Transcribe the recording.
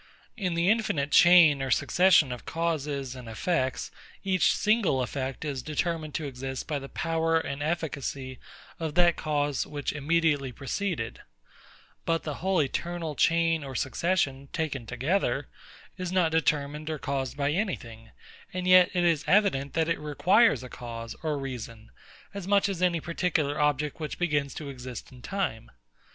In the infinite chain or succession of causes and effects, each single effect is determined to exist by the power and efficacy of that cause which immediately preceded; but the whole eternal chain or succession, taken together, is not determined or caused by any thing; and yet it is evident that it requires a cause or reason, as much as any particular object which begins to exist in time.